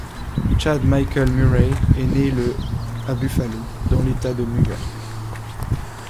Chad Michael Murray est né le à Buffalo, dans l'État de New York.